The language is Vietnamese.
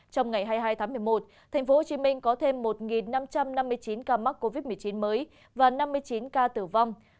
trong ngày hai mươi hai tháng một mươi một tp hcm có thêm một năm trăm năm mươi chín ca mắc covid một mươi chín mới và năm mươi chín ca tử vong